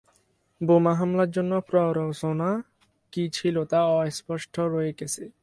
বোমা হামলার জন্য প্ররোচনা কি ছিল তা অস্পষ্ট রয়ে গেছে।